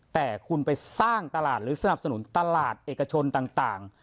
แต่คุณไปสร้างตลาดหรือสนับสนุนตลาดเอกชนต่าง